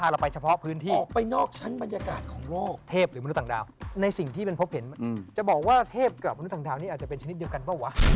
แล้วท่านนั้นพอแล้วจบ